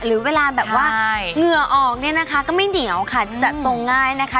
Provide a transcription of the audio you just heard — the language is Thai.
หรือเวลาแบบว่าเหงื่อออกเนี่ยนะคะก็ไม่เหนียวค่ะจัดทรงง่ายนะคะ